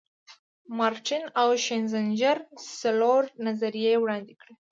مارټین او شینزینجر څلور نظریې وړاندې کړي.